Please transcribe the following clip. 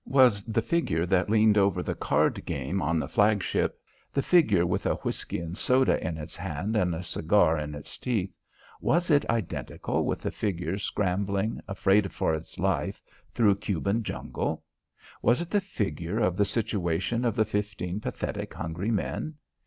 Was the figure that leaned over the card game on the flag ship, the figure with a whisky and soda in its hand and a cigar in its teeth was it identical with the figure scrambling, afraid of its life, through Cuban jungle? Was it the figure of the situation of the fifteen pathetic hungry men?